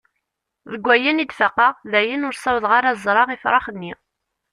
Deg ayen i d-faqeɣ, dayen ur ssawḍeɣ ara ad ẓreɣ ifrax-nni.